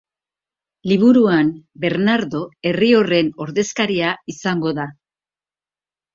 Liburuan Bernardo herri horren ordezkaria izango da.